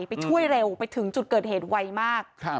ไปช่วยเร็วไปถึงจุดเกิดเหตุไวมาก